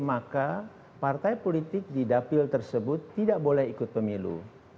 maka partai politik di dapil tersebut tidak boleh ikut pemilu